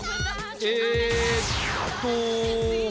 えっと。